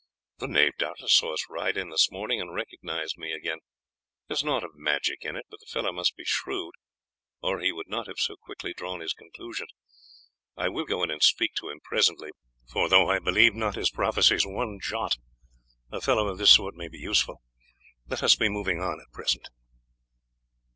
"The knave doubtless saw us ride in this morning, and recognized me again. There is naught of magic in it, but the fellow must be shrewd, or he would not have so quickly drawn his conclusions. I will go in and speak to him presently, for though I believe not his prophecies one jot, a fellow of this sort may be useful. Let us be moving on at present."